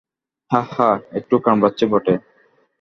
হাঁ হাঁ, একটু কামড়াচ্ছে বটে।